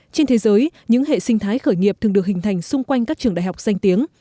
trên thế giới những hệ sinh thái khởi nghiệp thường được hình thành xung quanh các trường đại học danh tiếng